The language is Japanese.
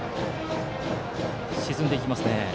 沈んでいきましたね。